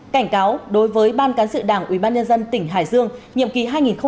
cảnh cáo đối với ban cán sự đảng ubnd tỉnh hải dương nhiệm kỳ hai nghìn một mươi sáu hai nghìn một mươi một